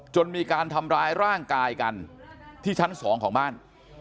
มีการทำร้ายร่างกายกันที่ชั้น๒ของบ้าน